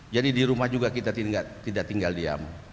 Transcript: jadi di rumah juga kita tidak tinggal diam